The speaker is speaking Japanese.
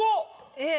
えっ？